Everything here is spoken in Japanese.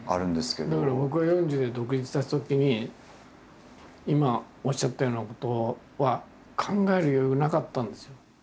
だけど僕が４０で独立したときに今おっしゃったようなことは考える余裕がなかったんですよ。